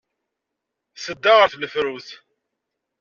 Tedda ɣer tnefrut.